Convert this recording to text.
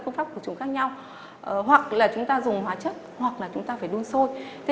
phương pháp của chúng khác nhau hoặc là chúng ta dùng hóa chất hoặc là chúng ta phải đun sôi